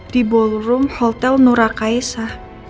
di ballroom hotel nura kaisa